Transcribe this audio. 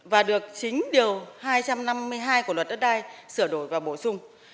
và được chính điều hai trăm năm mươi hai của luật đất đai sửa đổi và bổ sung